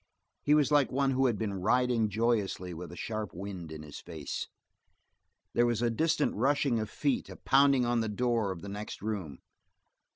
He was like one who has been riding joyously, with a sharp wind in his face. There was a distant rushing of feet, a pounding on the door of the next room.